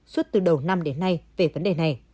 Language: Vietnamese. suốt từ đầu năm đến nay về vấn đề này